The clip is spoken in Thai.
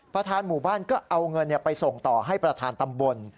ประธานหมู่บ้านก็เอาเงินไปส่งต่อให้ประธานตำบล